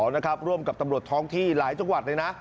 นะครับร่วมกับตำรวจท้องที่หลายจังหวัดเลยนะ